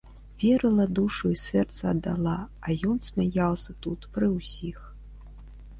Верыла, душу і сэрца аддала, а ён смяяўся тут, пры ўсіх.